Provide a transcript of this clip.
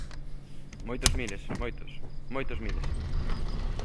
Moitos miles, moitos, ¡moitos miles!